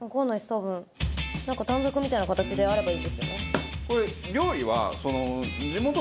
多分短冊みたいな形であればいいんですよね？